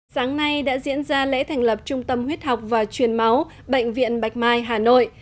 sáng nay đã diễn ra lễ thành lập trung tâm huyết học và truyền máu bệnh viện bạch mai hà nội